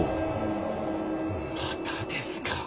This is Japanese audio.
またですか。